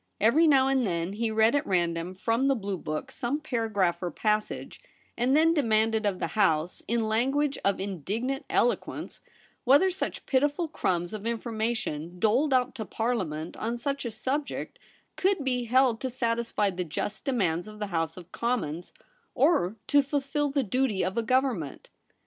Every now and then he read at random from the blue book some paragraph or passage, and then demanded of the House, in language of indignant elo quence, whether such pitiful crumbs of infor mation doled out to Parliament on such a subject could be held to satisfy the just demands of the House of Commons, or to fulfil the duty of a Government.